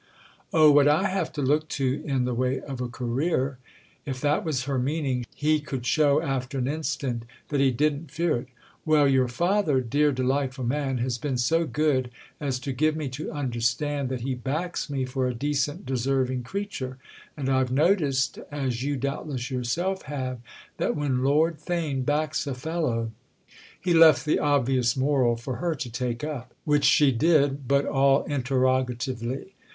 "Oh, what I have to look to in the way of a career?" If that was her meaning he could show after an instant that he didn't fear it. "Well, your father, dear delightful man, has been so good as to give me to understand that he backs me for a decent deserving creature; and I've noticed, as you doubtless yourself have, that when Lord Theign backs a fellow——!" He left the obvious moral for her to take up—which she did, but all interrogatively.